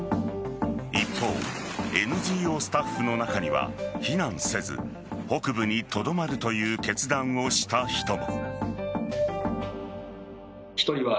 一方、ＮＧＯスタッフの中には避難せず、北部にとどまるという決断をした人も。